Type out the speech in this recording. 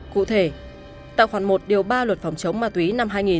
cụ thể tạng khoản một điều ba luật phòng chống ma túy năm hai nghìn